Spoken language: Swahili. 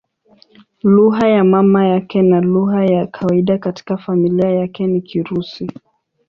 Lugha ya mama yake na lugha ya kawaida katika familia yake ni Kirusi.